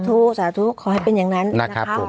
โอ้สาธุขอให้เป็นอย่างนั้นนะครับผม